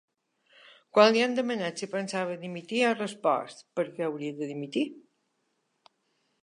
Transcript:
Quan li han demanat si pensava dimitir, ha respost: Per què hauria de dimitir?